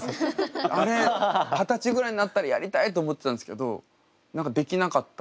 あれ二十歳ぐらいになったらやりたいと思ってたんですけど何かできなかった。